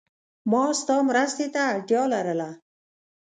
ما ستا مرستی ته اړتیا لرله.